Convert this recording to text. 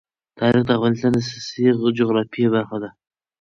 تاریخ د افغانستان د سیاسي جغرافیه برخه ده.